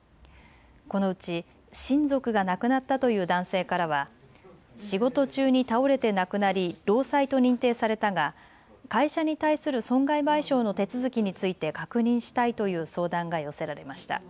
このうち親族が亡くなったという男性からは仕事中に倒れて亡くなり労災と認定されたが会社に対する損害賠償の手続きについて確認したいという相談が寄せられました。